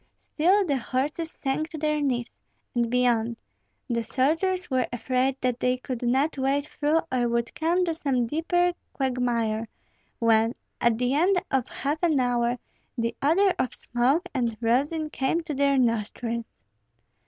Still the horses sank to their knees, and beyond. The soldiers were afraid that they could not wade through, or would come to some deeper quagmire; when, at the end of half an hour, the odor of smoke and rosin came to their nostrils.